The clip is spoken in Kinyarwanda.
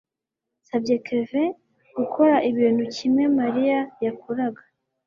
nasabye kevin gukora ikintu kimwe mariya yakoraga